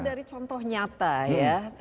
dari contoh nyata ya